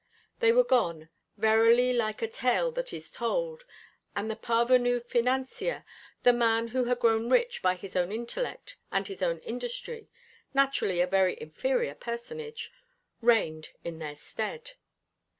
They were gone, verily like a tale that is told; and the parvenu financier, the man who had grown rich by his own intellect and his own industry naturally a very inferior personage reigned in their stead.